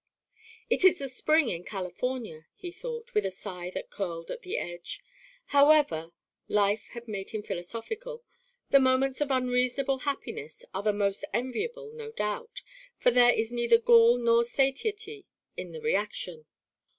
"It is the spring in California," he thought, with a sigh that curled at the edge. "However," life had made him philosophical; "the moments of unreasonable happiness are the most enviable no doubt, for there is neither gall nor satiety in the reaction.